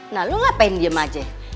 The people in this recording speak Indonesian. nah lo ngapain diem aja